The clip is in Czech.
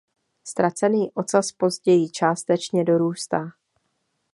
Ztracený ocas později částečně dorůstá.